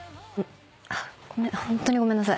あっホントにごめんなさい。